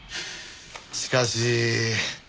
しかし。